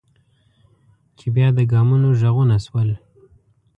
چې بیا د ګامونو غږونه شول.